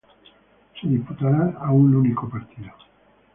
Se disputará a un único partido.